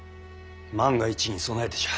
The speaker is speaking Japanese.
万が一に備えてじゃ。